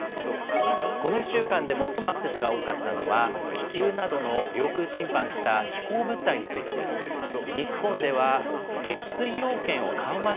この１週間で最もアクセスが多かったのは、気球などの領空侵犯した飛行物体についてです。